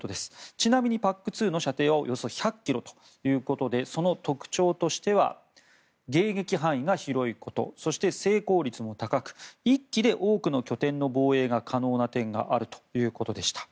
ちなみにＰＡＣ２の射程はおよそ１００ｋｍということでその特徴としては迎撃範囲が広いことそして、成功率も高く１基で多くの拠点の防衛が可能な点があるということでした。